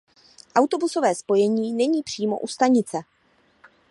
Autobusové spojení není přímo u stanice.